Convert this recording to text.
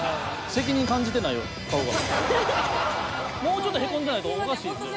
もうちょっとヘコんでないとおかしいよね。